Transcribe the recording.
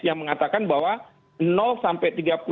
yang mengatakan bahwa sampai tiga puluh tujuh ribu kaki